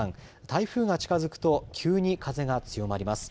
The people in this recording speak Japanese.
台風が近づくと急に風が強まります。